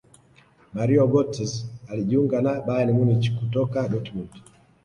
mario gotze alijiunga na bayern munich kutoka dortmund